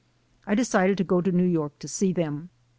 I decided to go to New York to see them.